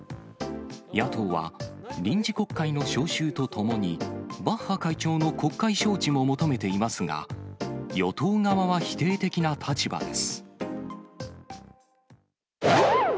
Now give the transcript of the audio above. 野党は、臨時国会の召集とともに、バッハ会長の国会招致も求めていますが、与党側は否定的な立場です。